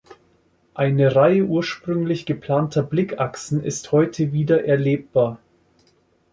Eine Reihe ursprünglich geplanter Blickachsen ist heute wieder erlebbar.